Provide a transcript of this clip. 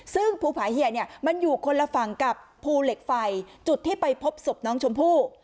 ซึ่งภูผาเฮียเนี่ยมันอยู่คนละฝั่งกับภูเหล็กไฟจุดที่ไปพบศพน้องชมพู่